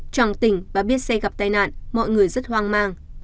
trong tỉnh và biết xe gặp tai nạn mọi người rất hoang mang